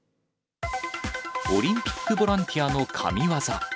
オリンピックボランティアの神業。